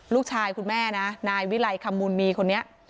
ลูกชายคุณแม่นะนายวิไหลคำบุญมีคนนี้